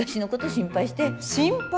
心配？